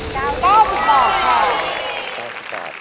๙๐บาทค่ะ